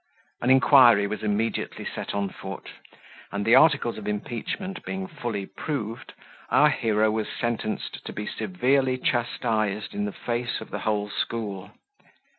An inquiry was immediately set on foot; and the articles of impeachment being fully proved, our hero was sentenced to be severely chastised in the face of the whole school.